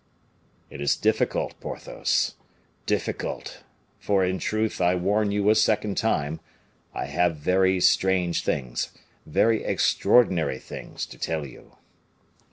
"It is difficult, Porthos difficult; for, in truth, I warn you a second time, I have very strange things, very extraordinary things, to tell you."